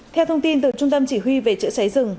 theo thông tin từ trung tâm chỉ huy về chữa cháy rừng